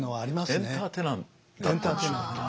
エンターテイナーええ。